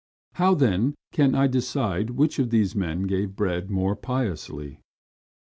How, then, can I decide which of these men gave bread more piously?"